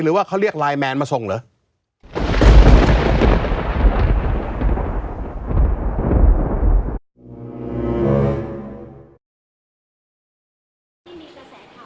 หรือว่าเขาเรียกไลน์แมนมาส่งเหรอ